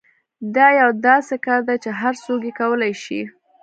دا یو داسې کار دی چې هر څوک یې کولای شي